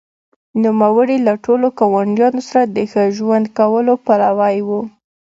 نوموړي له ټولو ګاونډیانو سره د ښه ژوند کولو پلوی و.